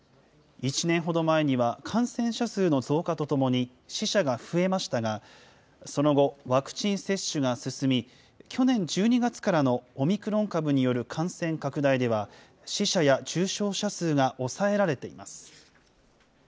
１年ほど前には感染者数の増加とともに死者が増えましたが、その後、ワクチン接種が進み、去年１２月からのオミクロン株による感染拡大では、死者や重症者数が抑えられています。